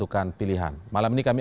jika pilkada dki jakarta